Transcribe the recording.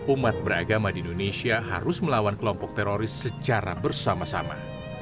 umat beragama di indonesia harus melawan kelompok teroris secara bersama sama